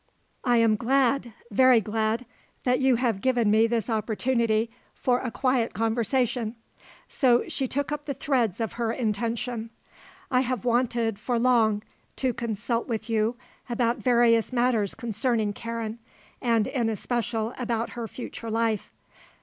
"I am glad, very glad, that you have given me this opportunity for a quiet conversation," so she took up the threads of her intention. "I have wanted, for long, to consult with you about various matters concerning Karen, and, in especial, about her future life.